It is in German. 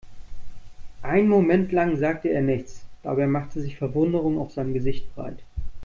Einen Moment lang sagte er nichts, dabei machte sich Verwunderung auf seinem Gesicht breit.